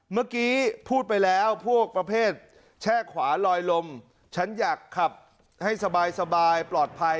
เมื่อกี้พูดไปแล้วพวกประเภทแช่ขวาลอยลมฉันอยากขับให้สบายปลอดภัย